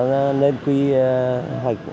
nó nên quy hoạch